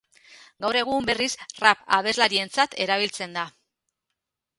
Gaur egun, berriz, rap abeslarientzat erabiltzen da.